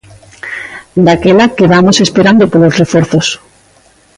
Daquela quedamos esperando polos reforzos.